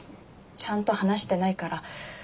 ちゃんと話してないから。